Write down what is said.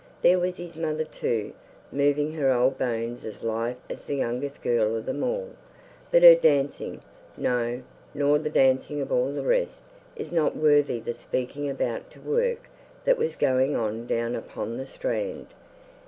There was his mother, too, moving her old bones as light as the youngest girl of them all; but her dancing, no, nor the dancing of all the rest, is not worthy the speaking about to the work that was going on down upon the strand.